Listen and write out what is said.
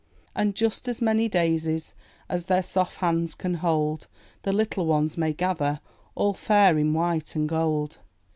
And just as many daisies As their soft hands can hold The little ones may gather, All fair in white and gold.